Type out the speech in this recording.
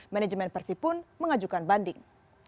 manajemen persib pun mengajukan banding